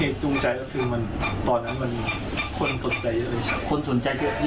เหตุจุงใจก็คือตอนนั้นมันคนสนใจเยอะเลยใช่มั้ย